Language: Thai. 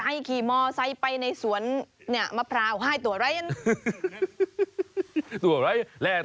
ตกใจขี่มอใส่ไปในสวนเนี่ยมพราวายตัวละอันนั้น